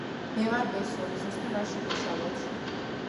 მე ვარ ბესო, რეზოსთან არ შეგეშალოთ